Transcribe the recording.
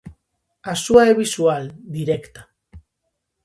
A súa é visual, directa.